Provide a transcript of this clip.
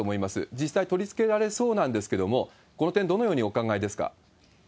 実際取り付けられそうなんですけれども、この点、どのようにお考えですか。